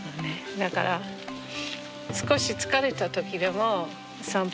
だから少し疲れた時でも散歩いく。